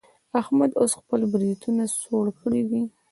احمد اوس خپل برېتونه څوړ کړي دي.